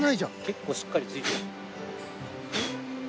結構しっかりついてる。